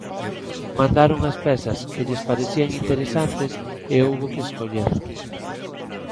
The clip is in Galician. Mandaron as pezas que lles parecían interesantes e houbo que escoller.